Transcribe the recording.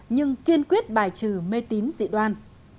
nhưng kiên quyết bài trừ mê tín dị đoan